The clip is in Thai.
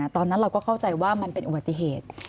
ตอนนั้นเราก็เข้าใจว่ามันเป็นอุบัติเหตุ